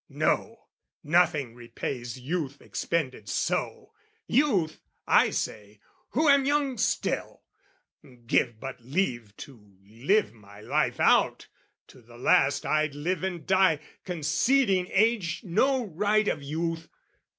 No, nothing repays youth expended so Youth, I say, who am young still, give but leave To live my life out, to the last I'd live And die conceding age no right of youth!